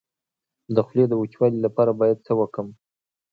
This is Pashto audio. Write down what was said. د خولې د وچوالي لپاره باید څه وکړم؟